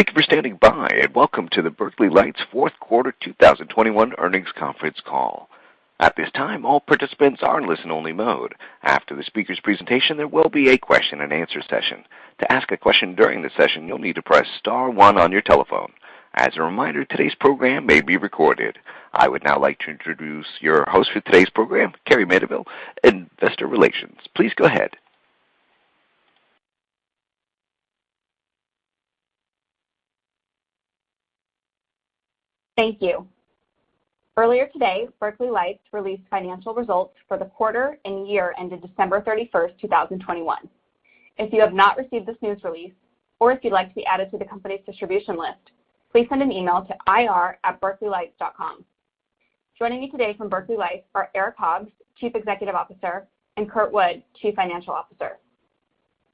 Thank you for standing by, and welcome to the Berkeley Lights fourth quarter 2021 earnings conference call. At this time, all participants are in listen-only mode. After the speaker's presentation, there will be a question-and-answer session. To ask a question during the session, you'll need to press star one on your telephone. As a reminder, today's program may be recorded. I would now like to introduce your host for today's program, Carrie Mendivil, Investor Relations. Please go ahead. Thank you. Earlier today, Berkeley Lights released financial results for the quarter and year ended December 31st, 2021. If you have not received this news release, or if you'd like to be added to the company's distribution list, please send an email to ir@berkeleylights.com. Joining me today from Berkeley Lights are Eric Hobbs, Chief Executive Officer, and Kurt Wood, Chief Financial Officer.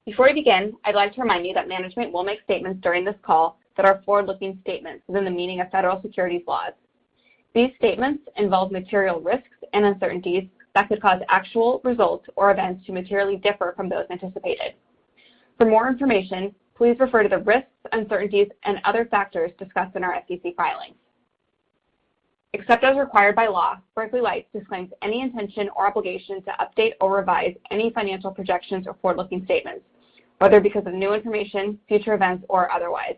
Before we begin, I'd like to remind you that management will make statements during this call that are forward-looking statements within the meaning of federal securities laws. These statements involve material risks and uncertainties that could cause actual results or events to materially differ from those anticipated. For more information, please refer to the risks, uncertainties, and other factors discussed in our SEC filings. Except as required by law, Berkeley Lights disclaims any intention or obligation to update or revise any financial projections or forward-looking statements, whether because of new information, future events, or otherwise.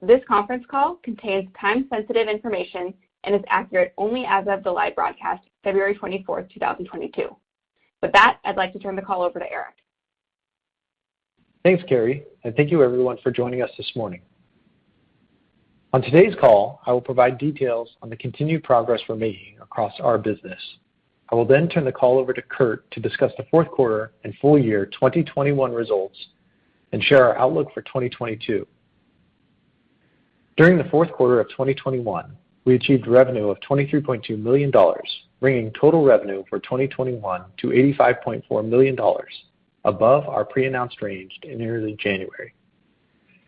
This conference call contains time-sensitive information and is accurate only as of the live broadcast, February 24th, 2022. With that, I'd like to turn the call over to Eric. Thanks, Carrie, and thank you everyone for joining us this morning. On today's call, I will provide details on the continued progress we're making across our business. I will then turn the call over to Kurt to discuss the fourth quarter and full year 2021 results and share our outlook for 2022. During the fourth quarter of 2021, we achieved revenue of $23.2 million, bringing total revenue for 2021 to $85.4 million above our pre-announced range in early January.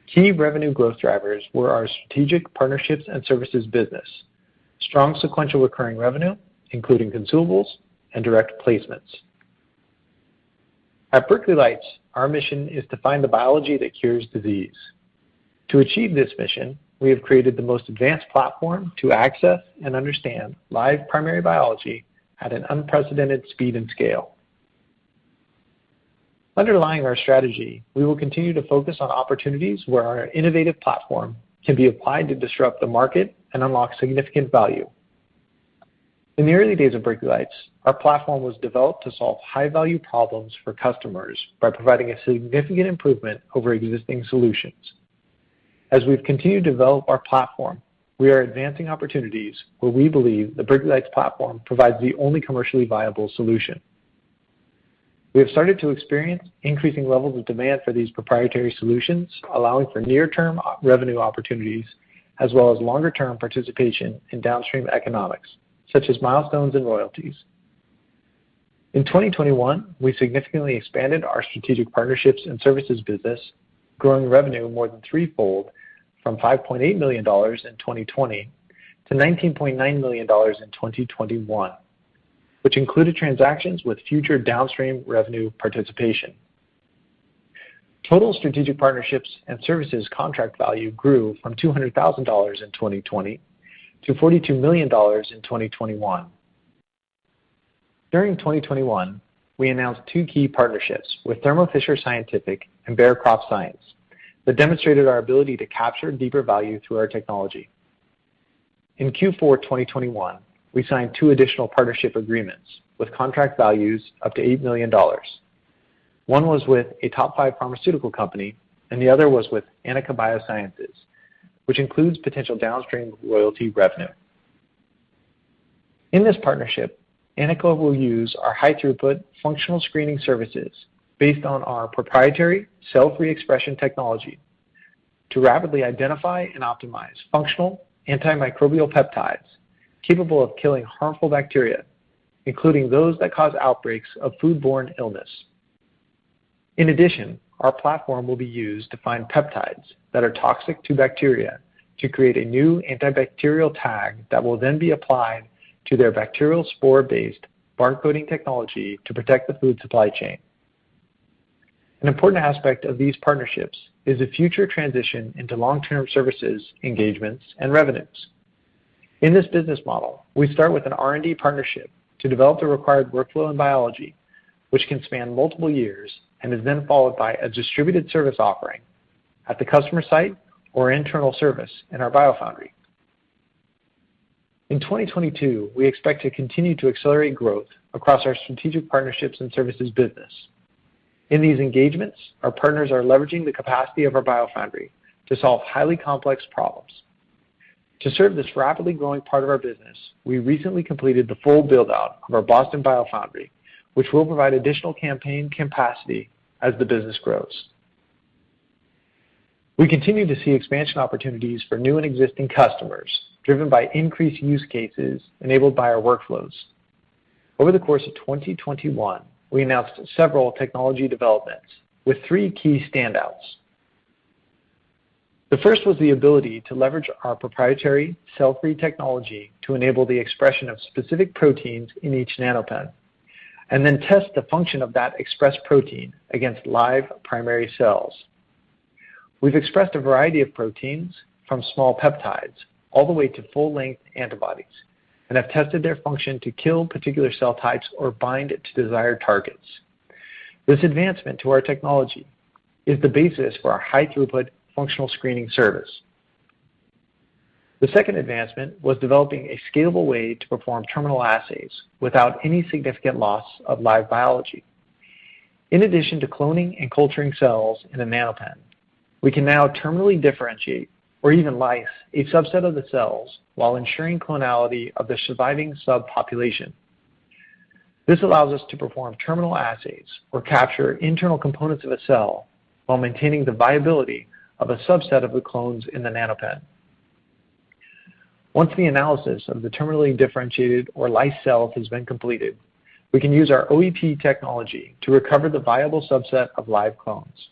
Key revenue growth drivers were our strategic partnerships and services business, strong sequential recurring revenue, including consumables and direct placements. At Berkeley Lights, our mission is to find the biology that cures disease. To achieve this mission, we have created the most advanced platform to access and understand live primary biology at an unprecedented speed and scale. Underlying our strategy, we will continue to focus on opportunities where our innovative platform can be applied to disrupt the market and unlock significant value. In the early days of Berkeley Lights, our platform was developed to solve high-value problems for customers by providing a significant improvement over existing solutions. As we've continued to develop our platform, we are advancing opportunities where we believe the Berkeley Lights platform provides the only commercially viable solution. We have started to experience increasing levels of demand for these proprietary solutions, allowing for near term revenue opportunities as well as longer-term participation in downstream economics, such as milestones and royalties. In 2021, we significantly expanded our strategic partnerships and services business, growing revenue more than threefold from $5.8 million in 2020 to $19.9 million in 2021, which included transactions with future downstream revenue participation. Total strategic partnerships and services contract value grew from $200,000 in 2020 to $42 million in 2021. During 2021, we announced two key partnerships with Thermo Fisher Scientific and Bayer Crop Science that demonstrated our ability to capture deeper value through our technology. In Q4 2021, we signed two additional partnership agreements with contract values up to $8 million. One was with a top five pharmaceutical company, and the other was with Aanika Biosciences, which includes potential downstream royalty revenue. In this partnership, Aanika will use our high-throughput functional screening services based on our proprietary cell-free expression technology to rapidly identify and optimize functional antimicrobial peptides capable of killing harmful bacteria, including those that cause outbreaks of foodborne illness. In addition, our platform will be used to find peptides that are toxic to bacteria to create a new antibacterial tag that will then be applied to their bacterial spore-based barcoding technology to protect the food supply chain. An important aspect of these partnerships is a future transition into long-term services, engagements, and revenues. In this business model, we start with an R&D partnership to develop the required workflow and biology, which can span multiple years and is then followed by a distributed service offering at the customer site or internal service in our BioFoundry. In 2022, we expect to continue to accelerate growth across our strategic partnerships and services business. In these engagements, our partners are leveraging the capacity of our BioFoundry to solve highly complex problems. To serve this rapidly growing part of our business, we recently completed the full build-out of our Boston BioFoundry, which will provide additional campaign capacity as the business grows. We continue to see expansion opportunities for new and existing customers, driven by increased use cases enabled by our workflows. Over the course of 2021, we announced several technology developments with three key standouts. The first was the ability to leverage our proprietary cell-free technology to enable the expression of specific proteins in each NanoPen, and then test the function of that expressed protein against live primary cells. We've expressed a variety of proteins from small peptides all the way to full-length antibodies, and have tested their function to kill particular cell types or bind to it to desired targets. This advancement to our technology is the basis for our high throughput functional screening service. The second advancement was developing a scalable way to perform terminal assays without any significant loss of live biology. In addition to cloning and culturing cells in a NanoPen, we can now terminally differentiate or even lyse a subset of the cells while ensuring clonality of the surviving subpopulation. This allows us to perform terminal assays or capture internal components of a cell while maintaining the viability of a subset of the clones in the NanoPen. Once the analysis of the terminally-differentiated or lysed cells has been completed, we can use our OEP technology to recover the viable subset of live clones.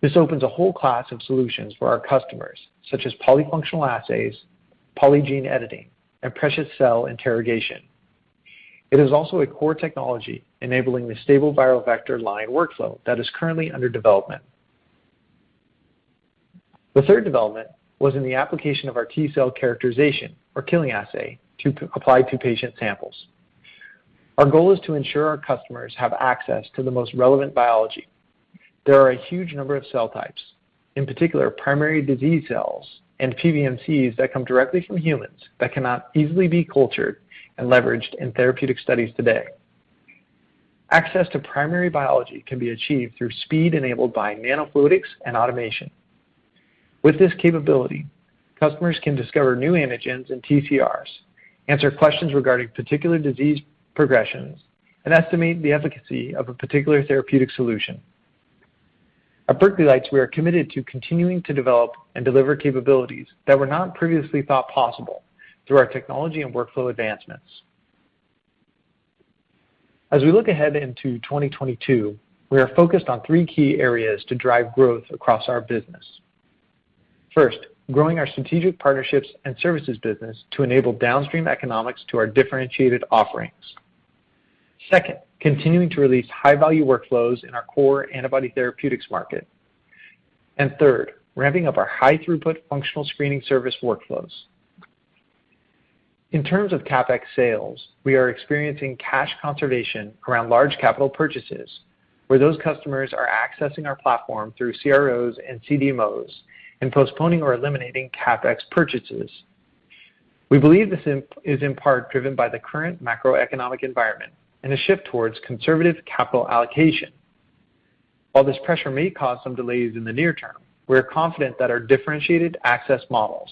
This opens a whole class of solutions for our customers, such as polyfunctional assays, polygene editing, and precious cell interrogation. It is also a core technology enabling the stable viral vector line workflow that is currently under development. The third development was in the application of our T-cell characterization or killing assay to apply to patient samples. Our goal is to ensure our customers have access to the most relevant biology. There are a huge number of cell types, in particular primary disease cells and PBMCs that come directly from humans that cannot easily be cultured and leveraged in therapeutic studies today. Access to primary biology can be achieved through speed enabled by nanofluidics and automation. With this capability, customers can discover new antigens and TCRs, answer questions regarding particular disease progressions, and estimate the efficacy of a particular therapeutic solution. At Berkeley Lights, we are committed to continuing to develop and deliver capabilities that were not previously thought possible through our technology and workflow advancements. As we look ahead into 2022, we are focused on three key areas to drive growth across our business. First, growing our strategic partnerships and services business to enable downstream economics to our differentiated offerings. Second, continuing to release high-value workflows in our core antibody therapeutics market. Third, ramping up our high throughput functional screening service workflows. In terms of CapEx sales, we are experiencing cash conservation around large capital purchases where those customers are accessing our platform through CROs and CDMOs and postponing or eliminating CapEx purchases. We believe this is in part driven by the current macroeconomic environment and a shift towards conservative capital allocation. While this pressure may cause some delays in the near term, we are confident that our differentiated access models,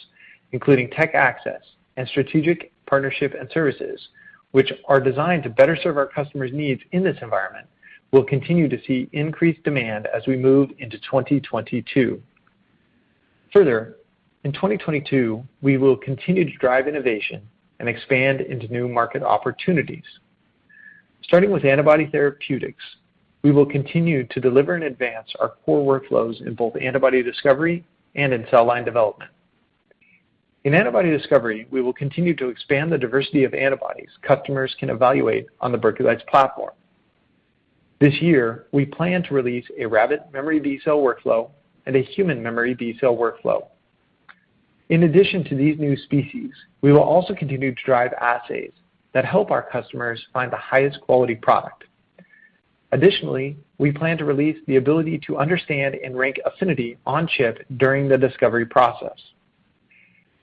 including TechAccess and strategic partnership and services, which are designed to better serve our customers' needs in this environment, will continue to see increased demand as we move into 2022. Further, in 2022, we will continue to drive innovation and expand into new market opportunities. Starting with antibody therapeutics, we will continue to deliver and advance our core workflows in both antibody discovery and in cell line development. In antibody discovery, we will continue to expand the diversity of antibodies customers can evaluate on the Berkeley Lights platform. This year, we plan to release a rabbit memory B cell workflow and a human memory B cell workflow. In addition to these new species, we will also continue to drive assays that help our customers find the highest quality product. Additionally, we plan to release the ability to understand and rank affinity on chip during the discovery process.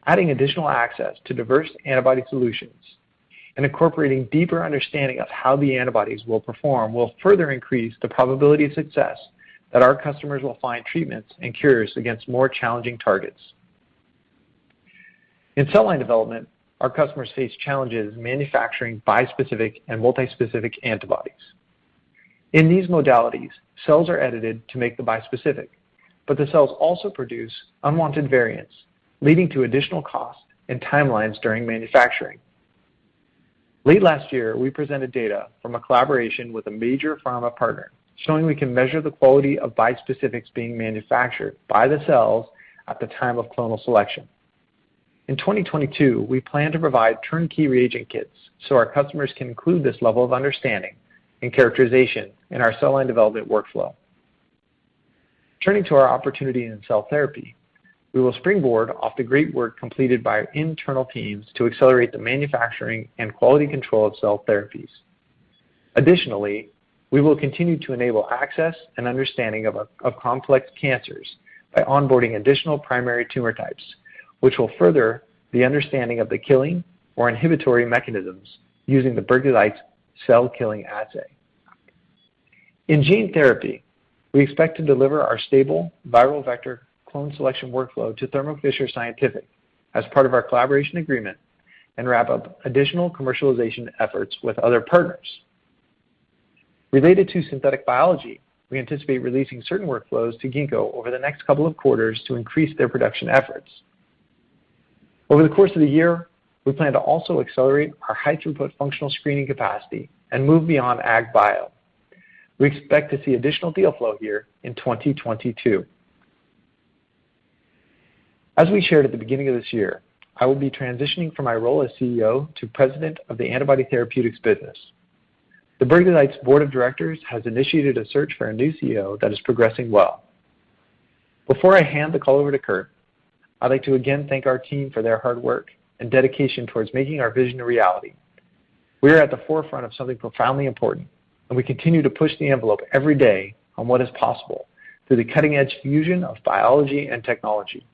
Adding additional access to diverse antibody solutions and incorporating deeper understanding of how the antibodies will perform will further increase the probability of success that our customers will find treatments and cures against more challenging targets. In cell line development, our customers face challenges manufacturing bispecific and multispecific antibodies. In these modalities, cells are edited to make them bispecific, but the cells also produce unwanted variants, leading to additional cost and timelines during manufacturing. Late last year, we presented data from a collaboration with a major pharma partner showing we can measure the quality of bispecifics being manufactured by the cells at the time of clonal selection. In 2022, we plan to provide turnkey reagent kits so our customers can include this level of understanding and characterization in our cell line development workflow. Turning to our opportunity in cell therapy, we will springboard off the great work completed by our internal teams to accelerate the manufacturing and quality control of cell therapies. Additionally, we will continue to enable access and understanding of complex cancers by onboarding additional primary tumor types, which will further the understanding of the killing or inhibitory mechanisms using the Berkeley Lights cell killing assay. In gene therapy, we expect to deliver our stable viral vector clone selection workflow to Thermo Fisher Scientific as part of our collaboration agreement and wrap up additional commercialization efforts with other partners. Related to synthetic biology, we anticipate releasing certain workflows to Ginkgo over the next couple of quarters to increase their production efforts. Over the course of the year, we plan to also accelerate our high throughput functional screening capacity and move beyond ag-bio. We expect to see additional deal flow here in 2022. As we shared at the beginning of this year, I will be transitioning from my role as CEO to President of the Antibody Therapeutics business. The Berkeley Lights board of directors has initiated a search for a new CEO that is progressing well. Before I hand the call over to Kurt, I'd like to again thank our team for their hard work and dedication towards making our vision a reality. We are at the forefront of something profoundly important, and we continue to push the envelope every day on what is possible through the cutting-edge fusion of biology and technology.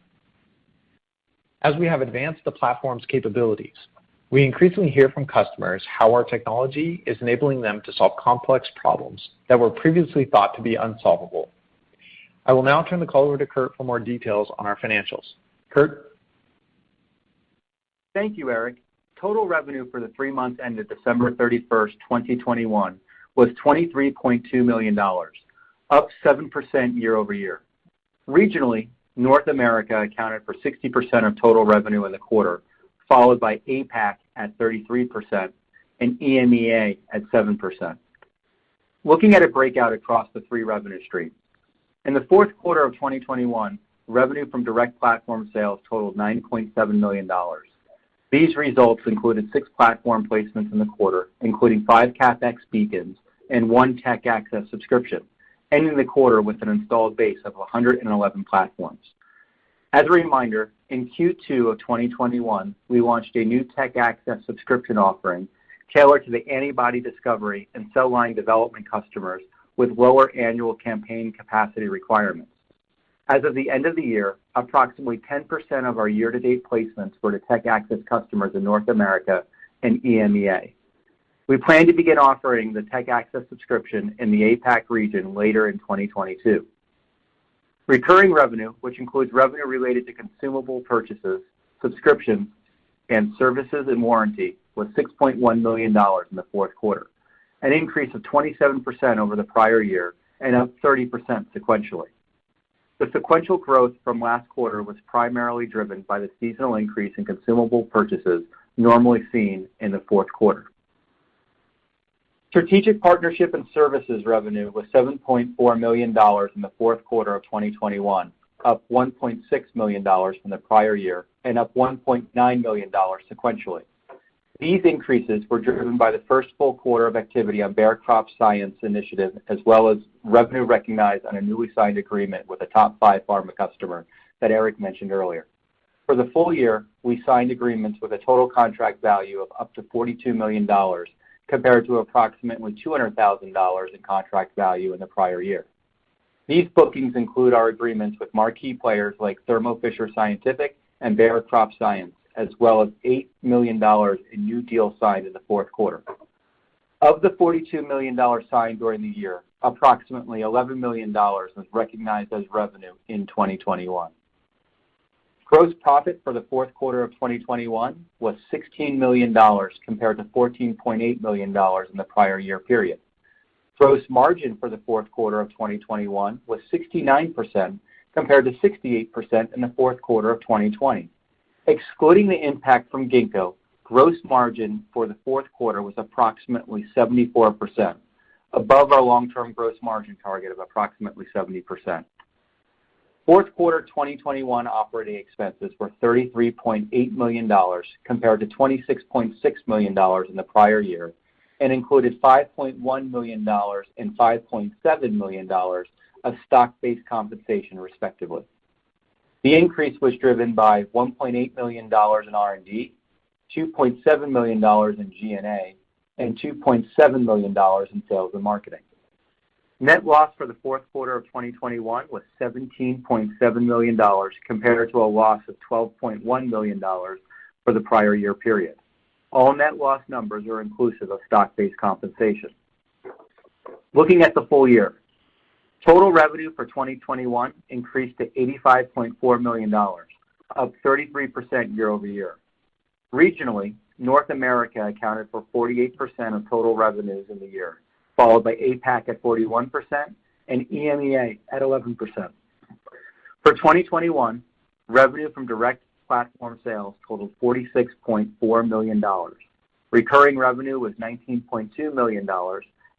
As we have advanced the platform's capabilities, we increasingly hear from customers how our technology is enabling them to solve complex problems that were previously thought to be unsolvable. I will now turn the call over to Kurt for more details on our financials. Kurt? Thank you, Eric. Total revenue for the three months ended December 31st, 2021 was $23.2 million, up 7% year-over-year. Regionally, North America accounted for 60% of total revenue in the quarter, followed by APAC at 33%, and EMEA at 7%. Looking at a breakout across the three revenue streams. In the fourth quarter of 2021, revenue from direct platform sales totaled $9.7 million. These results included six platform placements in the quarter, including five CapEx Beacons and one TechAccess subscription, ending the quarter with an installed base of 111 platforms. As a reminder, in Q2 of 2021, we launched a new TechAccess subscription offering tailored to the antibody discovery and cell line development customers with lower annual campaign capacity requirements. As of the end of the year, approximately 10% of our year-to-date placements were to TechAccess customers in North America and EMEA. We plan to begin offering the TechAccess subscription in the APAC region later in 2022. Recurring revenue, which includes revenue related to consumable purchases, subscriptions, and services and warranty, was $6.1 million in the fourth quarter, an increase of 27% over the prior year and up 30% sequentially. The sequential growth from last quarter was primarily driven by the seasonal increase in consumable purchases normally seen in the fourth quarter. Strategic partnership and services revenue was $7.4 million in the fourth quarter of 2021, up $1.6 million from the prior year and up $1.9 million sequentially. These increases were driven by the first full quarter of activity on Bayer Crop Science initiative, as well as revenue recognized on a newly signed agreement with a top five pharma customer that Eric mentioned earlier. For the full year, we signed agreements with a total contract value of up to $42 million compared to approximately $200,000 in contract value in the prior year. These bookings include our agreements with marquee players like Thermo Fisher Scientific and Bayer Crop Science, as well as $8 million in new deals signed in the fourth quarter. Of the $42 million signed during the year, approximately $11 million was recognized as revenue in 2021. Gross profit for the fourth quarter of 2021 was $16 million compared to $14.8 million in the prior year period. Gross margin for the fourth quarter of 2021 was 69% compared to 68% in the fourth quarter of 2020. Excluding the impact from Ginkgo, gross margin for the fourth quarter was approximately 74%, above our long-term gross margin target of approximately 70%. Fourth quarter 2021 operating expenses were $33.8 million compared to $26.6 million in the prior year, and included $5.1 million and $5.7 million of stock-based compensation, respectively. The increase was driven by $1.8 million in R&D, $2.7 million in G&A, and $2.7 million in sales and marketing. Net loss for the fourth quarter of 2021 was $17.7 million compared to a loss of $12.1 million for the prior year period. All net loss numbers are inclusive of stock-based compensation. Looking at the full year, total revenue for 2021 increased to $85.4 million, up 33% year-over-year. Regionally, North America accounted for 48% of total revenues in the year, followed by APAC at 41% and EMEA at 11%. For 2021, revenue from direct platform sales totaled $46.4 million. Recurring revenue was $19.2 million,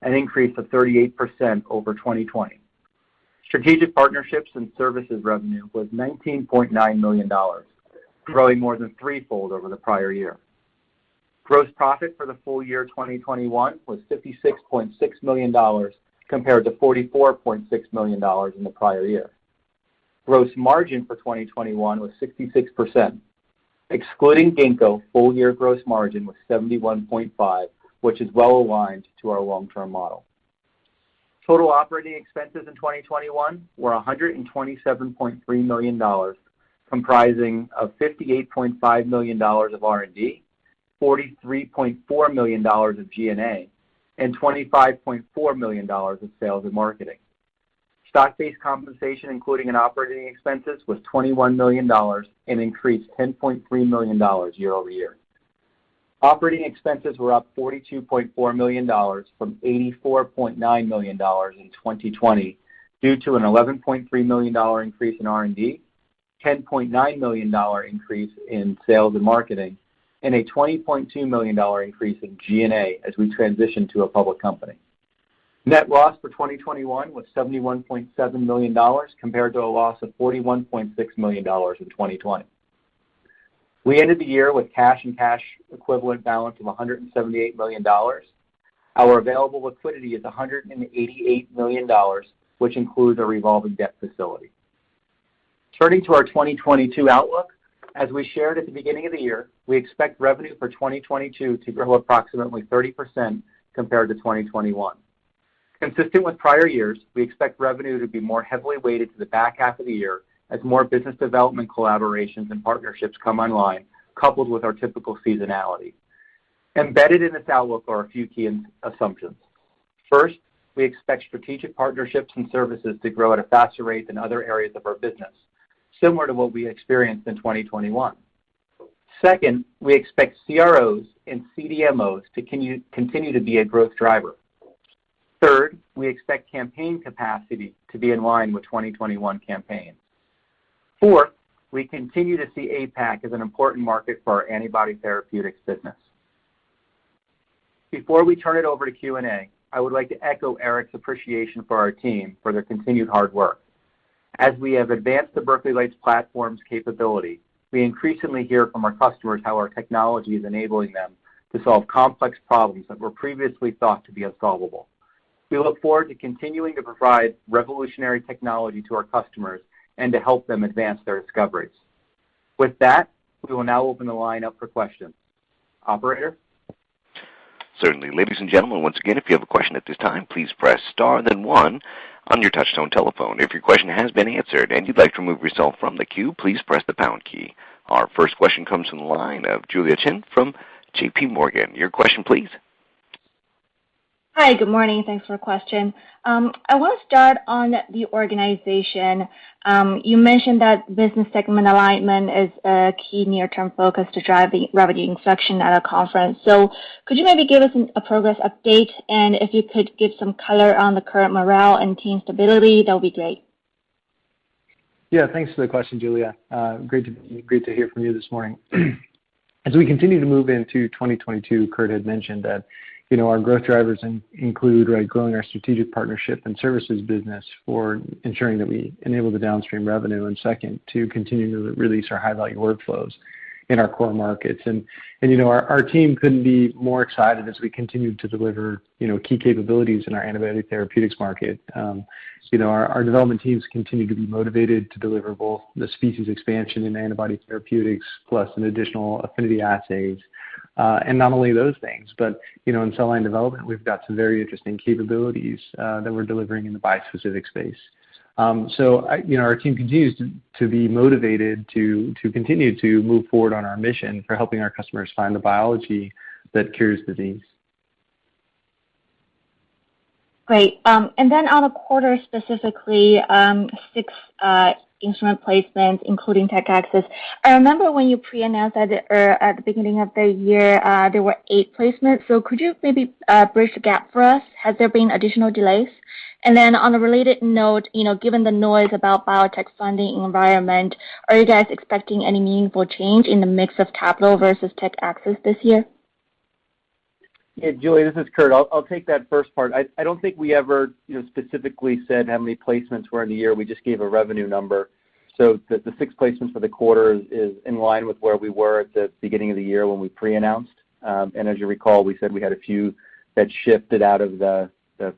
an increase of 38% over 2020. Strategic partnerships and services revenue was $19.9 million, growing more than threefold over the prior year. Gross profit for the full year 2021 was $56.6 million compared to $44.6 million in the prior year. Gross margin for 2021 was 66%. Excluding Ginkgo, full year gross margin was 71.5%, which is well-aligned to our long-term model. Total operating expenses in 2021 were $127.3 million, comprising of $58.5 million of R&D, $43.4 million of G&A, and $25.4 million in sales and marketing. Stock-based compensation including in operating expenses was $21 million and increased $10.3 million year-over-year. Operating expenses were up $42.4 million from $84.9 million in 2020 due to an $11.3 million increase in R&D, $10.9 million increase in sales and marketing, and a $20.2 million increase in G&A as we transition to a public company. Net loss for 2021 was $71.7 million compared to a loss of $41.6 million in 2020. We ended the year with cash and cash equivalent balance of $178 million. Our available liquidity is $188 million, which includes a revolving debt facility. Turning to our 2022 outlook, as we shared at the beginning of the year, we expect revenue for 2022 to grow approximately 30% compared to 2021. Consistent with prior years, we expect revenue to be more heavily-weighted to the back half of the year as more business development collaborations and partnerships come online, coupled with our typical seasonality. Embedded in this outlook are a few key assumptions. First, we expect strategic partnerships and services to grow at a faster rate than other areas of our business, similar to what we experienced in 2021. Second, we expect CROs and CDMOs to continue to be a growth driver. Third, we expect campaign capacity to be in line with 2021 campaigns. Fourth, we continue to see APAC as an important market for our antibody therapeutics business. Before we turn it over to Q&A, I would like to echo Eric's appreciation for our team for their continued hard work. As we have advanced the Berkeley Lights platform's capability, we increasingly hear from our customers how our technology is enabling them to solve complex problems that were previously thought to be unsolvable. We look forward to continuing to provide revolutionary technology to our customers and to help them advance their discoveries. With that, we will now open the line up for questions. Operator? Certainly. Ladies and gentlemen, once again, if you have a question at this time, please press star then one on your touch tone telephone. If your question has been answered and you'd like to remove yourself from the queue, please press the pound key. Our first question comes from the line of Julia Chen from JPMorgan. Your question please. Hi. Good morning. Thanks for the question. I wanna start on the organization. You mentioned that business segment alignment is a key near-term focus to drive the revenue inflection at a conference. Could you maybe give us a progress update? If you could give some color on the current morale and team stability, that would be great. Yeah. Thanks for the question, Julia. Great to hear from you this morning. As we continue to move into 2022, Kurt had mentioned that, you know, our growth drivers include, right, growing our strategic partnership and services business for ensuring that we enable the downstream revenue, and second, to continue to release our high-value workflows in our core markets. Our team couldn't be more excited as we continue to deliver, you know, key capabilities in our antibody therapeutics market. You know, our development teams continue to be motivated to deliver both the species expansion in antibody therapeutics plus an additional affinity assays. Not only those things, but, you know, in cell line development, we've got some very interesting capabilities that we're delivering in the bispecific space. You know, our team continues to be motivated to continue to move forward on our mission for helping our customers find the biology that cures disease. Great. On the quarter specifically, six instrument placements including TechAccess. I remember when you pre-announced that at, or at the beginning of the year, there were eight placements. Could you maybe bridge the gap for us? Has there been additional delays? On a related note, you know, given the noise about biotech funding environment, are you guys expecting any meaningful change in the mix of capital versus TechAccess this year? Yeah, Julia, this is Kurt. I'll take that first part. I don't think we ever, you know, specifically said how many placements were in the year. We just gave a revenue number. So the six placements for the quarter is in line with where we were at the beginning of the year when we pre-announced. And as you recall, we said we had a few that shifted out of the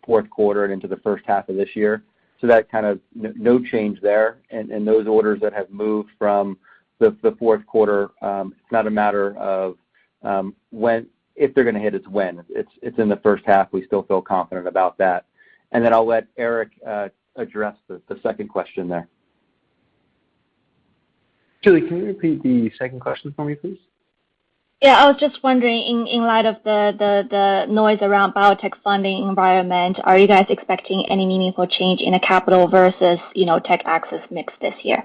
fourth quarter and into the first half of this year. So that kind of no change there. Those orders that have moved from the fourth quarter, it's not a matter of when, if they're gonna hit, it's when. It's in the first half, we still feel confident about that. Then I'll let Eric address the second question there. Julia, can you repeat the second question for me, please? Yeah. I was just wondering, in light of the noise around the biotech funding environment, are you guys expecting any meaningful change in a capital versus, you know, tech access mix this year?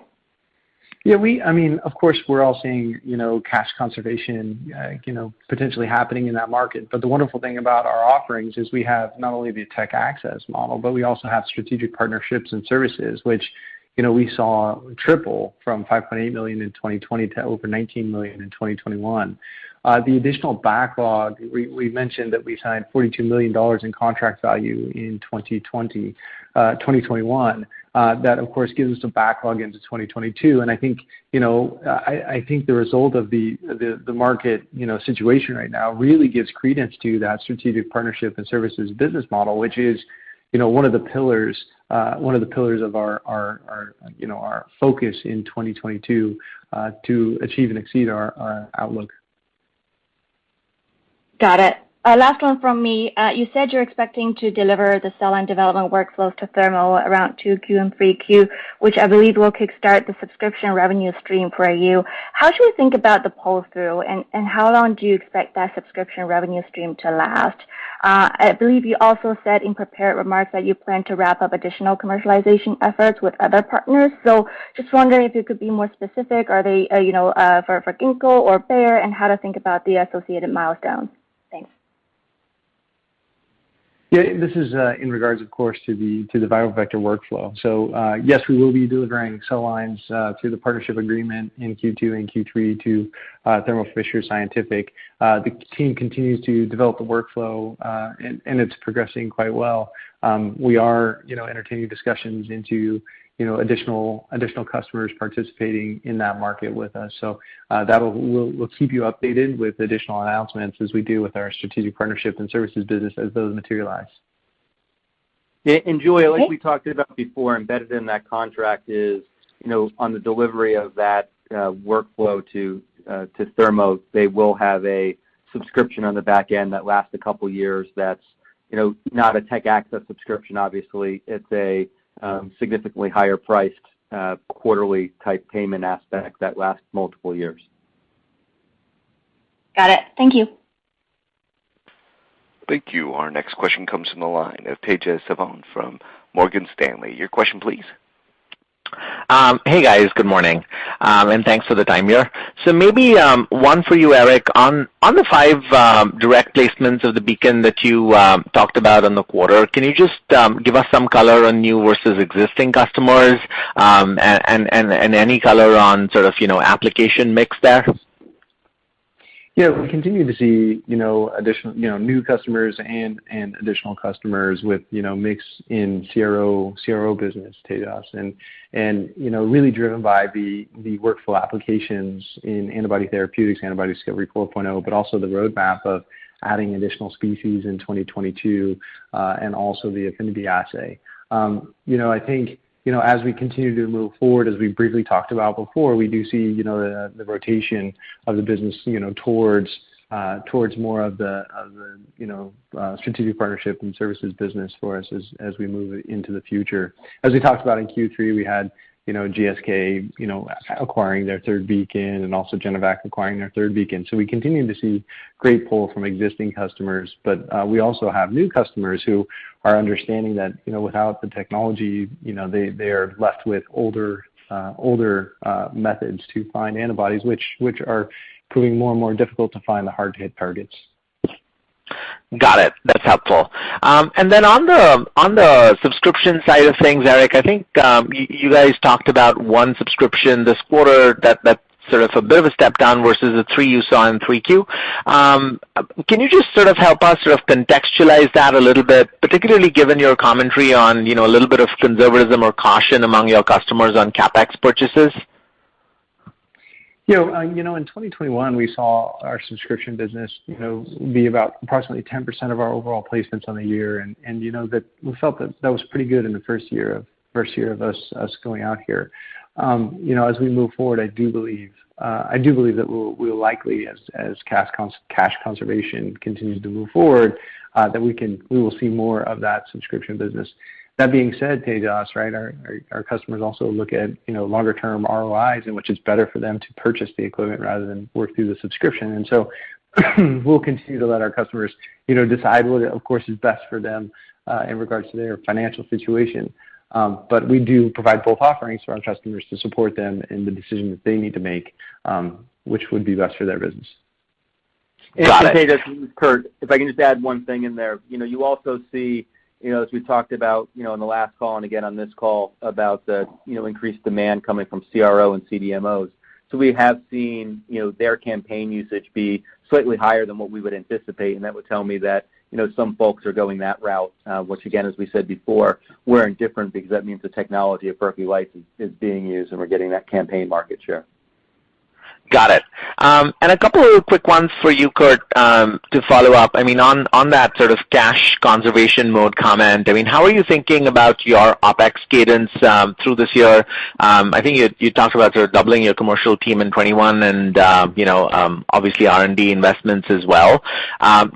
Yeah, I mean, of course, we're all seeing, you know, cash conservation, you know, potentially happening in that market. But the wonderful thing about our offerings is we have not only the tech access model, but we also have strategic partnerships and services, which, you know, we saw triple from $5.8 million in 2020 to over $19 million in 2021. The additional backlog, we mentioned that we signed $42 million in contract value in 2020, 2021. That of course gives us a backlog into 2022. I think, you know, I think the result of the market, you know, situation right now really gives credence to that strategic partnership and services business model, which is, you know, one of the pillars of our focus in 2022, to achieve and exceed our outlook. Got it. Last one from me. You said you're expecting to deliver the cell line development workflows to Thermo around 2Q and 3Q, which I believe will kickstart the subscription revenue stream for you. How should we think about the pull-through, and how long do you expect that subscription revenue stream to last? I believe you also said in prepared remarks that you plan to wrap up additional commercialization efforts with other partners. Just wondering if you could be more specific. Are they, you know, for Ginkgo or Bayer, and how to think about the associated milestones? Thanks. Yeah, this is in regards of course to the viral vector workflow. Yes, we will be delivering cell lines through the partnership agreement in Q2 and Q3 to Thermo Fisher Scientific. The team continues to develop the workflow, and it's progressing quite well. We are you know entertaining discussions with you know additional customers participating in that market with us. We'll keep you updated with additional announcements as we do with our strategic partnerships and services business as those materialize. Yeah, Julia, like we talked about before, embedded in that contract is, you know, on the delivery of that workflow to Thermo, they will have a subscription on the back end that lasts a couple years that's, you know, not a TechAccess subscription, obviously. It's a significantly higher-priced quarterly type payment aspect that lasts multiple years. Got it. Thank you. Thank you. Our next question comes from the line of Tejas Savant from Morgan Stanley. Your question please. Hey, guys. Good morning, and thanks for the time here. Maybe one for you, Eric, on the five direct placements of the Beacon that you talked about in the quarter, can you just give us some color on new versus existing customers, and any color on sort of, you know, application mix there? Yeah. We continue to see, you know, addition, you know, new customers and additional customers with, you know, mix in CRO business, Tejas, and, you know, really driven by the workflow applications in antibody therapeutics, Antibody Discovery 4.0, but also the roadmap of adding additional species in 2022, and also the affinity assay. You know, I think, you know, as we continue to move forward, as we briefly talked about before, we do see, you know, the rotation of the business, you know, towards more of the strategic partnership and services business for us as we move into the future. As we talked about in Q3, we had, you know, GSK acquiring their third Beacon and also Genovac acquiring their third Beacon. We continue to see great pull from existing customers, but we also have new customers who are understanding that, you know, without the technology, you know, they are left with older methods to find antibodies, which are proving more and more difficult to find the hard to hit targets. Got it. That's helpful. On the subscription side of things, Eric, I think you guys talked about 1 subscription this quarter that's sort of a bit of a step down versus the three you saw in 3Q. Can you just sort of help us sort of contextualize that a little bit, particularly given your commentary on you know a little bit of conservatism or caution among your customers on CapEx purchases? You know, in 2021, we saw our subscription business, you know, be about approximately 10% of our overall placements on the year. You know, that we felt that was pretty good in the first year of us going out here. You know, as we move forward, I do believe that we'll likely as cash conservation continues to move forward, that we will see more of that subscription business. That being said, Tejas, right, our customers also look at, you know, longer term ROIs in which it's better for them to purchase the equipment rather than work through the subscription. We'll continue to let our customers, you know, decide what, of course, is best for them in regards to their financial situation. We do provide both offerings to our customers to support them in the decision that they need to make, which would be best for their business. Got it. Tejas, this is Kurt. If I can just add one thing in there. You know, you also see, you know, as we talked about, you know, on the last call and again on this call about the, you know, increased demand coming from CRO and CDMOs. We have seen, you know, their campaign usage be slightly higher than what we would anticipate, and that would tell me that, you know, some folks are going that route. Once again, as we said before, we're indifferent because that means the technology of Berkeley Lights is being used, and we're getting that campaign market share. Got it. A couple of quick ones for you, Kurt, to follow up. I mean, on that sort of cash conservation mode comment, I mean, how are you thinking about your OpEx cadence through this year? I think you talked about sort of doubling your commercial team in 2021 and, you know, obviously R&D investments as well.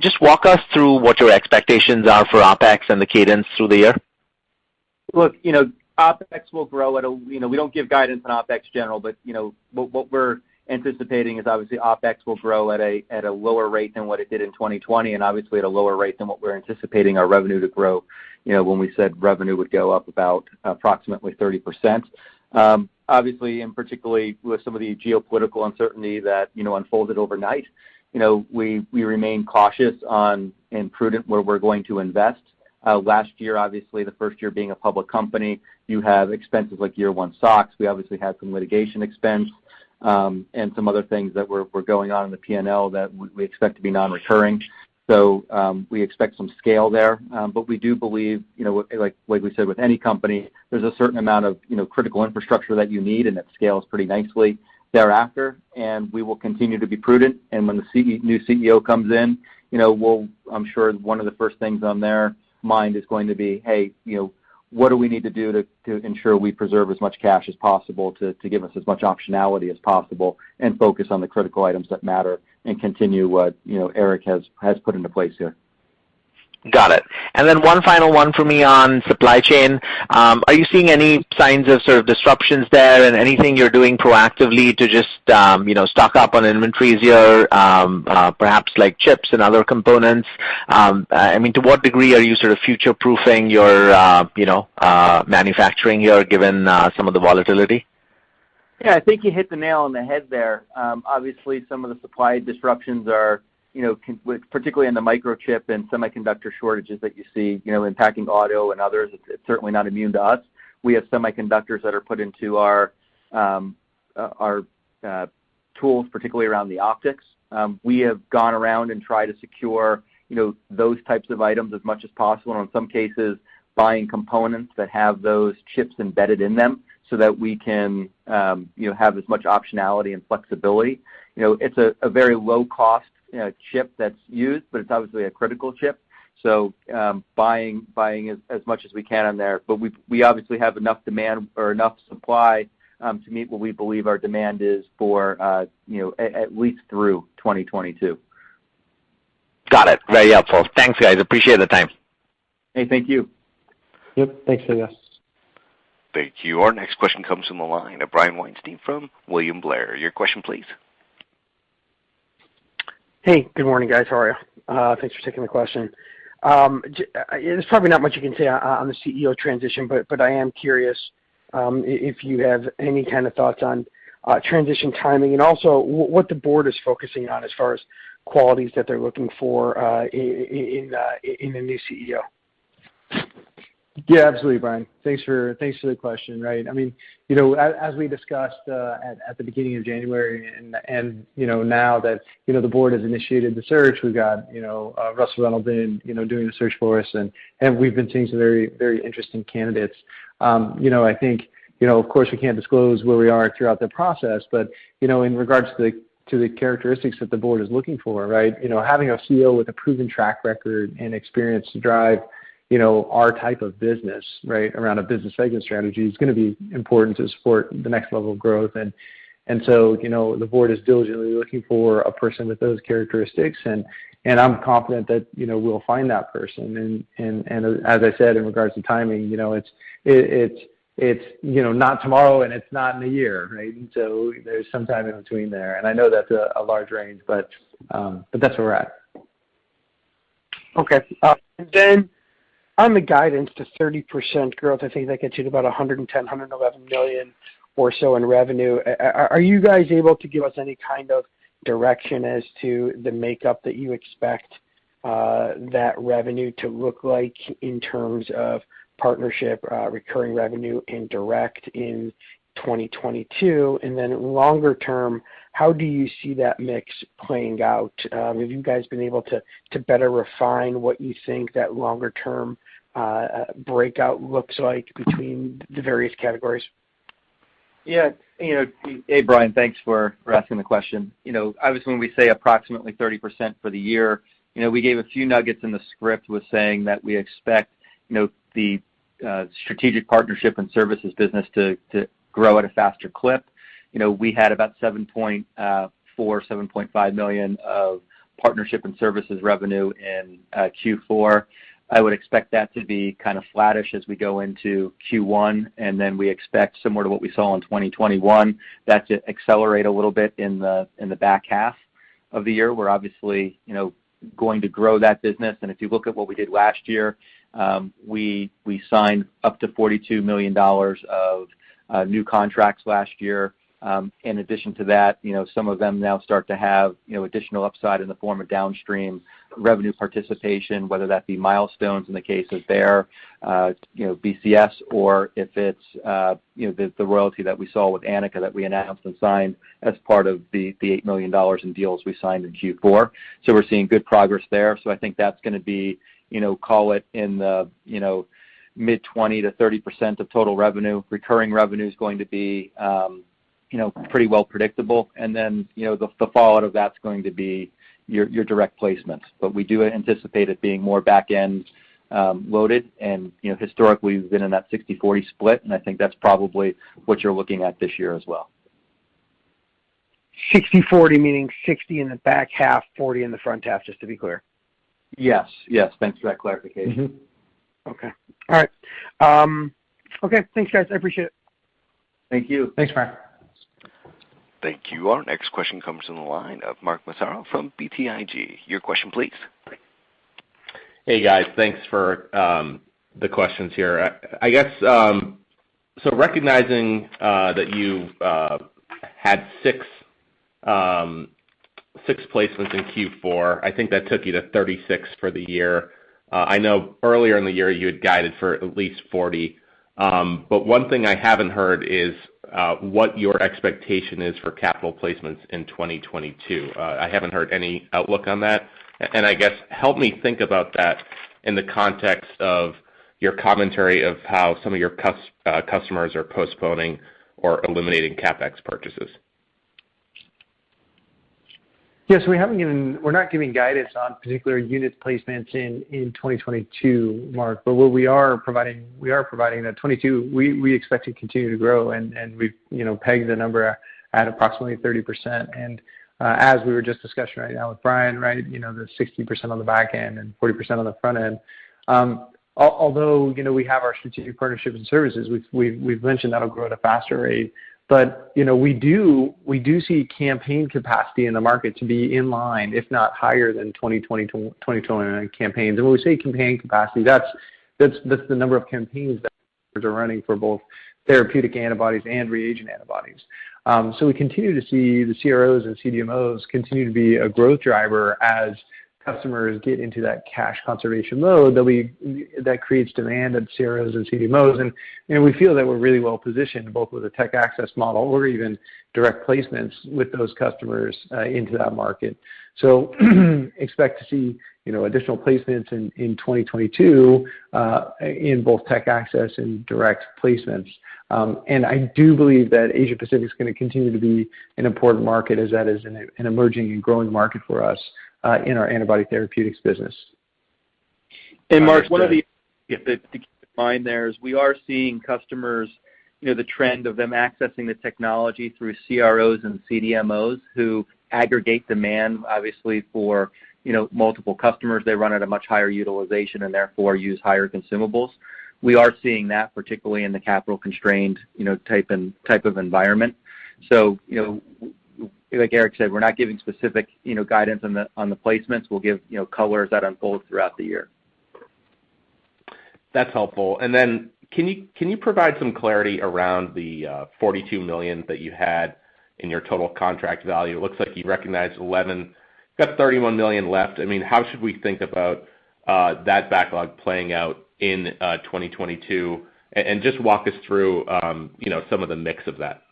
Just walk us through what your expectations are for OpEx and the cadence through the year. Look, you know, OpEx will grow at a, you know, we don't give guidance on OpEx general, but, you know, what we're anticipating is obviously OpEx will grow at a lower rate than what it did in 2020 and obviously at a lower rate than what we're anticipating our revenue to grow, you know, when we said revenue would go up about approximately 30%. Obviously, particularly with some of the geopolitical uncertainty that, you know, unfolded overnight, you know, we remain cautious on and prudent where we're going to invest. Last year, obviously the first year being a public company, you have expenses like year one SOX. We obviously had some litigation expense, and some other things that were going on in the P&L that we expect to be non-recurring. We expect some scale there. We do believe, you know, like we said, with any company, there's a certain amount of, you know, critical infrastructure that you need, and it scales pretty nicely thereafter. We will continue to be prudent. When the new CEO comes in, you know, we'll I'm sure one of the first things on their mind is going to be, "Hey, you know, what do we need to do to ensure we preserve as much cash as possible to give us as much optionality as possible and focus on the critical items that matter and continue what, you know, Eric has put into place here? Got it. One final one for me on supply chain. Are you seeing any signs of sort of disruptions there and anything you're doing proactively to just, you know, stock up on inventories here, perhaps like chips and other components? I mean, to what degree are you sort of future-proofing your, you know, manufacturing here given, some of the volatility? Yeah, I think you hit the nail on the head there. Obviously some of the supply disruptions are, you know, with particularly in the microchip and semiconductor shortages that you see, you know, impacting auto and others, it's certainly not immune to us. We have semiconductors that are put into our tools, particularly around the optics. We have gone around and tried to secure, you know, those types of items as much as possible, and in some cases buying components that have those chips embedded in them so that we can, you know, have as much optionality and flexibility. You know, it's a very low cost, you know, chip that's used, but it's obviously a critical chip, so buying as much as we can on there. We obviously have enough demand or enough supply to meet what we believe our demand is for, you know, at least through 2022. Got it. Very helpful. Thanks, guys. Appreciate the time. Hey, thank you. Yep. Thanks, Tejas. Thank you. Our next question comes from the line of Brian Weinstein from William Blair. Your question, please. Hey, good morning, guys. How are you? Thanks for taking the question. There's probably not much you can say on the CEO transition, but I am curious if you have any kind of thoughts on transition timing and also what the board is focusing on as far as qualities that they're looking for in a new CEO. Yeah, absolutely, Brian. Thanks for the question. Right. I mean, you know, as we discussed at the beginning of January, and you know, now that you know, the board has initiated the search, we've got you know, Russell Reynolds in you know, doing the search for us, and we've been seeing some very interesting candidates. You know, I think you know, of course, we can't disclose where we are throughout the process, but you know, in regards to the characteristics that the board is looking for, right, you know, having a CEO with a proven track record and experience to drive you know, our type of business, right, around a business segment strategy is gonna be important to support the next level of growth. You know, the board is diligently looking for a person with those characteristics, and as I said in regards to timing, you know, it's you know, not tomorrow, and it's not in a year, right? There's some time in between there. I know that's a large range, but that's where we're at. Okay. On the guidance to 30% growth, I think that gets you to about $110 million-$111 million or so in revenue. Are you guys able to give us any kind of direction as to the makeup that you expect, that revenue to look like in terms of partnership, recurring revenue and direct in 2022? Longer term, how do you see that mix playing out? Have you guys been able to better refine what you think that longer term breakout looks like between the various categories? Yeah. You know, hey, Brian, thanks for asking the question. You know, obviously when we say approximately 30% for the year, you know, we gave a few nuggets in the script with saying that we expect, you know, the strategic partnership and services business to grow at a faster clip. You know, we had about $7.5 million of partnership and services revenue in Q4. I would expect that to be kind of flattish as we go into Q1, and then we expect similar to what we saw in 2021, that to accelerate a little bit in the back half of the year. We're obviously, you know, going to grow that business. If you look at what we did last year, we signed up to $42 million of new contracts last year. In addition to that, you know, some of them now start to have, you know, additional upside in the form of downstream revenue participation, whether that be milestones in the cases there, BCS or if it's, you know, the royalty that we saw with Aanika that we announced and signed as part of the $8 million in deals we signed in Q4. We're seeing good progress there. I think that's gonna be, you know, call it in the, you know, mid-20%-30% of total revenue. Recurring revenue is going to be, you know, pretty well predictable. Then, you know, the fallout of that's going to be your direct placements. We do anticipate it being more back-end loaded. You know, historically we've been in that 60/40 split, and I think that's probably what you're looking at this year as well. 60/40 meaning 60 in the back half, 40 in the front half, just to be clear? Yes. Yes. Thanks for that clarification. Okay. All right. Okay, thanks, guys. I appreciate it. Thank you. Thanks, Brian. Thank you. Our next question comes from the line of Mark Massaro from BTIG. Your question, please. Hey, guys. Thanks for the questions here. I guess recognizing that you had six placements in Q4, I think that took you to 36 for the year. I know earlier in the year you had guided for at least 40. One thing I haven't heard is what your expectation is for capital placements in 2022. I haven't heard any outlook on that. I guess help me think about that in the context of your commentary of how some of your customers are postponing or eliminating CapEx purchases. Yeah. So we're not giving guidance on particular unit placements in 2022, Mark. What we are providing that 2022 we expect to continue to grow and we've you know pegged the number at approximately 30%. As we were just discussing right now with Brian, right, you know, the 60% on the back end and 40% on the front end. Although, you know, we have our strategic partnerships and services, we've mentioned that'll grow at a faster rate. You know, we do see campaign capacity in the market to be in line, if not higher than 2020-2021 campaigns. When we say campaign capacity, that's the number of campaigns that are running for both therapeutic antibodies and reagent antibodies. We continue to see the CROs and CDMOs continue to be a growth driver as customers get into that cash conservation mode that creates demand at CROs and CDMOs, and we feel that we're really well-positioned both with the TechAccess model or even direct placements with those customers into that market. Expect to see, you know, additional placements in 2022 in both TechAccess and direct placements. I do believe that Asia Pacific is gonna continue to be an important market as that is an emerging and growing market for us in our antibody therapeutics business. Mark, one of the things to keep in mind is that we are seeing customers, you know, the trend of them accessing the technology through CROs and CDMOs who aggregate demand obviously for, you know, multiple customers. They run at a much higher utilization and therefore use higher consumables. We are seeing that particularly in the capital-constrained, you know, type of environment. You know, well, like Eric said, we're not giving specific, you know, guidance on the placements, we'll give, you know, color as that unfolds throughout the year. That's helpful. Then can you provide some clarity around the $42 million that you had in your total contract value? It looks like you recognized $11. Got $31 million left. I mean, how should we think about that backlog playing out in 2022? Just walk us through, you know, some of the mix of that.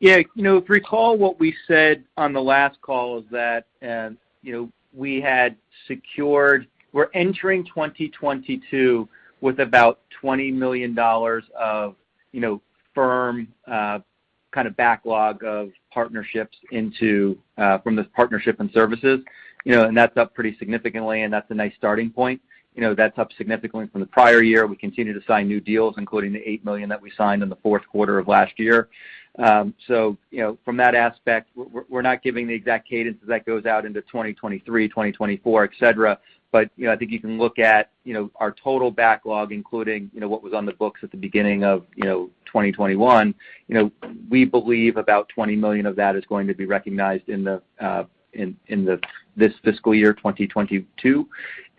Yeah. You know, if you recall what we said on the last call is that you know, we're entering 2022 with about $20 million of you know, firm kind of backlog of partnerships from the partnership and services. You know, and that's up pretty significantly, and that's a nice starting point. You know, that's up significantly from the prior year. We continue to sign new deals, including the $8 million that we signed in the fourth quarter of last year. You know, from that aspect, we're not giving the exact cadence as that goes out into 2023, 2024, etc. You know, I think you can look at our total backlog, including you know, what was on the books at the beginning of 2021. You know, we believe about $20 million of that is going to be recognized in this fiscal year 2022.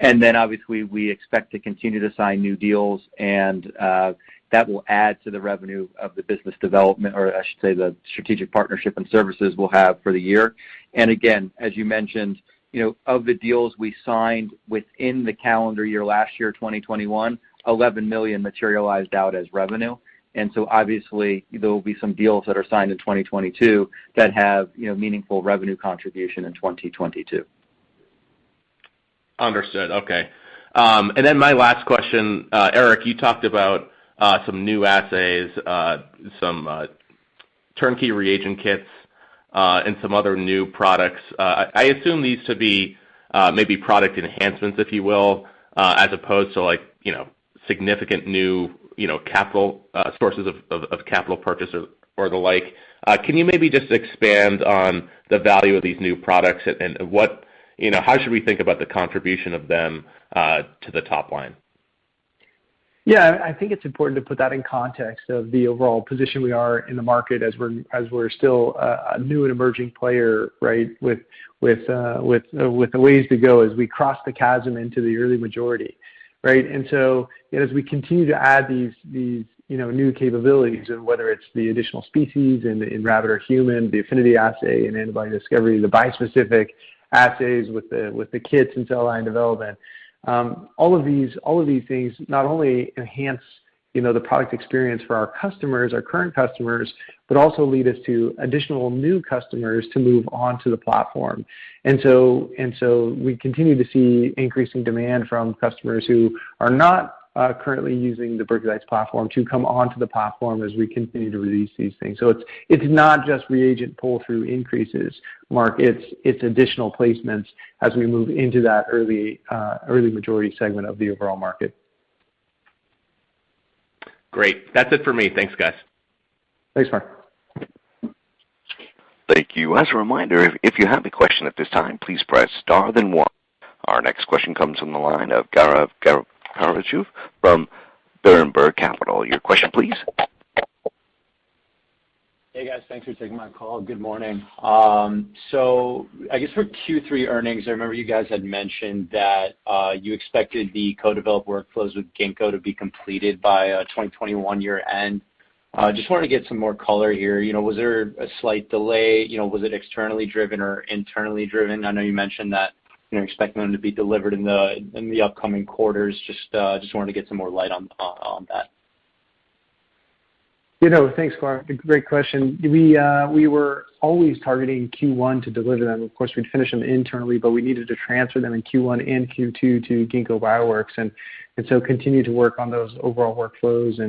Obviously, we expect to continue to sign new deals and that will add to the revenue of the business development or I should say, the strategic partnership and services we'll have for the year. Again, as you mentioned, you know, of the deals we signed within the calendar year last year, 2021, $11 million materialized out as revenue. Obviously there will be some deals that are signed in 2022 that have, you know, meaningful revenue contribution in 2022. Understood. Okay. My last question, Eric, you talked about some new assays, some turnkey reagent kits, and some other new products. I assume these to be maybe product enhancements, if you will, as opposed to like, you know, significant new, you know, capital sources of capital purchase or the like. Can you maybe just expand on the value of these new products and, you know, how should we think about the contribution of them to the top line? Yeah. I think it's important to put that in context of the overall position we are in the market as we're still a new and emerging player, right, with a ways to go as we cross the chasm into the early majority, right? You know, as we continue to add these new capabilities and whether it's the additional species in rabbit or human, the affinity assay and antibody discovery, the bispecific assays with the kits in cell line development, all of these things not only enhance the product experience for our customers, our current customers, but also lead us to additional new customers to move on to the platform. We continue to see increasing demand from customers who are not currently using the Beacon platform to come onto the platform as we continue to release these things. It's not just reagent pull-through increases, Mark. It's additional placements as we move into that early majority segment of the overall market. Great. That's it for me. Thanks, guys. Thanks, Mark. Thank you. As a reminder, if you have a question at this time, please press star then one. Our next question comes from the line of Gaurav Goparaju from Berenberg Capital. Your question please. Hey, guys, thanks for taking my call. Good morning. So I guess for Q3 earnings, I remember you guys had mentioned that you expected the co-develop workflows with Ginkgo to be completed by 2021 year-end. Just wanted to get some more color here. You know, was there a slight delay? You know, was it externally driven or internally driven? I know you mentioned that you're expecting them to be delivered in the upcoming quarters. Just wanted to get some more light on that. You know, thanks, Gaurav. Great question. We were always targeting Q1 to deliver them. Of course, we'd finish them internally, but we needed to transfer them in Q1 and Q2 to Ginkgo Bioworks and so continue to work on those overall workflows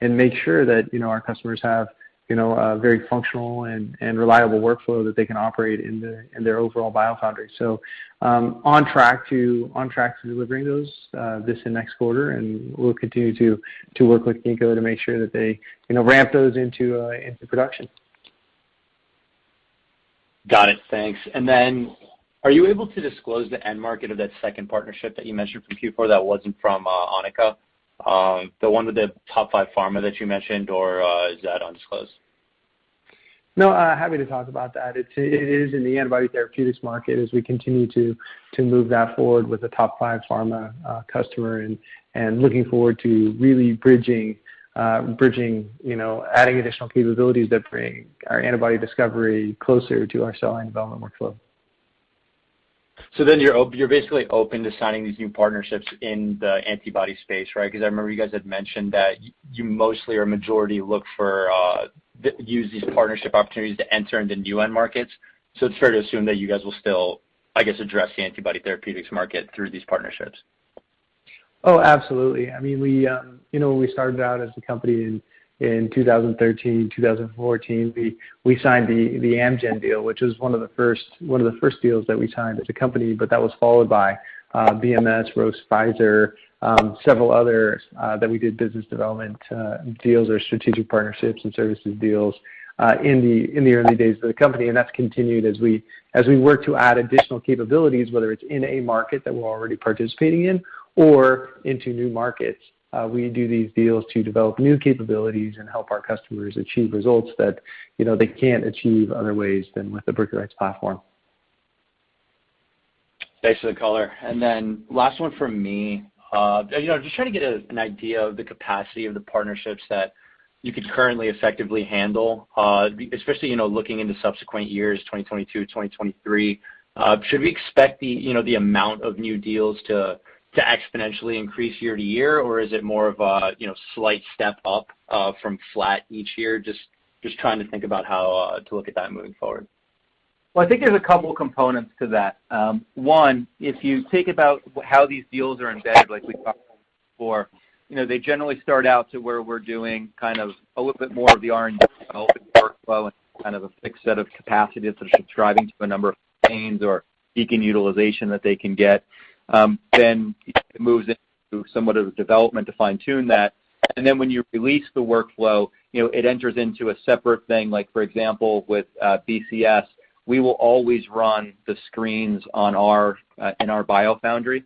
and make sure that, you know, our customers have, you know, a very functional and reliable workflow that they can operate in their overall BioFoundry. So, on track to delivering those this and next quarter, and we'll continue to work with Ginkgo to make sure that they, you know, ramp those into production. Got it. Thanks. Are you able to disclose the end market of that second partnership that you mentioned from Q4 that wasn't from Aanika, the one with the top five pharma that you mentioned, or is that undisclosed? No, happy to talk about that. It is in the antibody therapeutics market as we continue to move that forward with the top five pharma customer and looking forward to really bridging, you know, adding additional capabilities that bring our antibody discovery closer to our cell line development workflow. You're basically open to signing these new partnerships in the antibody space, right? 'Cause I remember you guys had mentioned that you mostly or majority look for use these partnership opportunities to enter into new end markets. It's fair to assume that you guys will still, I guess, address the antibody therapeutics market through these partnerships. Oh, absolutely. I mean, you know, when we started out as a company in 2013, 2014, we signed the Amgen deal, which was one of the first deals that we signed as a company. But that was followed by BMS, Roche, Pfizer, several others that we did business development deals or strategic partnerships and services deals in the early days of the company. That's continued as we work to add additional capabilities, whether it's in a market that we're already participating in or into new markets. We do these deals to develop new capabilities and help our customers achieve results that, you know, they can't achieve other ways than with the Beacon platform. Thanks for the color. Last one from me. You know, just trying to get a an idea of the capacity of the partnerships that you could currently effectively handle, especially, you know, looking into subsequent years, 2022, 2023. Should we expect the, you know, the amount of new deals to exponentially increase year to year? Or is it more of a, you know, slight step up from flat each year? Just trying to think about how to look at that moving forward. Well, I think there's a couple components to that. One, if you think about how these deals are embedded, like we talked before, you know, they generally start out to where we're doing kind of a little bit more of the R&D development workflow and kind of a fixed set of capacities that are subscribing to a number of campaigns or Beacon utilization that they can get. Then it moves into somewhat of development to fine-tune that. Then when you release the workflow, you know, it enters into a separate thing. Like, for example, with BCS, we will always run the screens in our BioFoundry.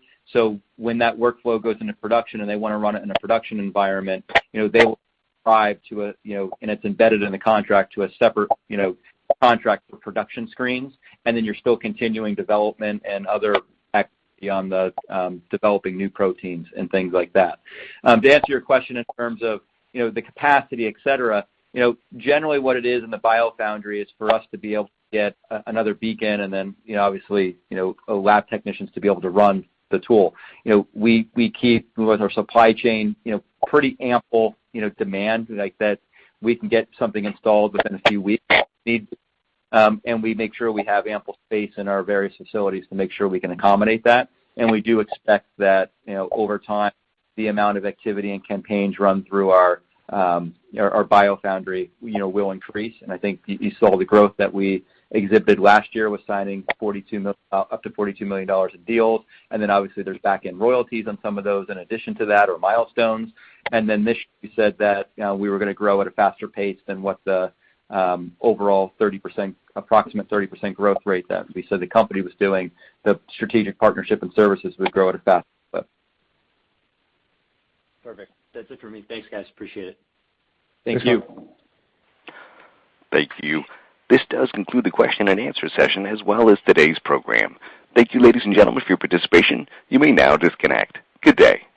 When that workflow goes into production and they want to run it in a production environment, you know, they will drive to a, you know, and it's embedded in the contract to a separate, you know, contract for production screens. Then you're still continuing development and other activity on the developing new proteins and things like that. To answer your question in terms of, you know, the capacity, etc, you know, generally what it is in the BioFoundry is for us to be able to get another Beacon and then, you know, obviously, you know, lab technicians to be able to run the tool. You know, we keep with our supply chain, you know, pretty ample, you know, demand like that we can get something installed within a few weeks if needed. We make sure we have ample space in our various facilities to make sure we can accommodate that. We do expect that, you know, over time, the amount of activity and campaigns run through our BioFoundry, you know, will increase. I think you saw the growth that we exhibited last year was signing up to $42 million of deals. Then obviously there's back-end royalties on some of those in addition to that or milestones. This, we said that, you know, we were gonna grow at a faster pace than what the overall approximate 30% growth rate that we said the company was doing. The strategic partnership and services would grow at a faster clip. Perfect. That's it for me. Thanks, guys. Appreciate it. Thank you. Thank you. This does conclude the question-and-answer session as well as today's program. Thank you, ladies and gentlemen, for your participation. You may now disconnect. Good day.